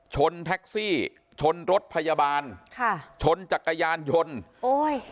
ชนแท็กซี่ชนรถพยาบาลค่ะชนจักรยานยนต์โอ้ย